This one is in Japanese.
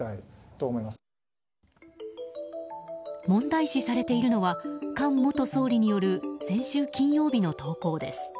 問題視されているのは菅元総理による先週金曜日の投稿です。